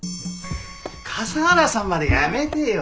笠原さんまでやめてよ。